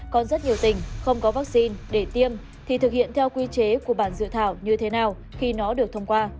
còn rất nhiều tỉnh không có vaccine để tiêm thì thực hiện theo quy chế của bản dự thảo như thế nào khi nó được thông qua